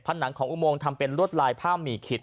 หนังของอุโมงทำเป็นลวดลายผ้าหมี่ขิด